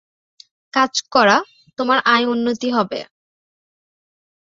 কাজ করা, তোমার আয়-উন্নতি হবে।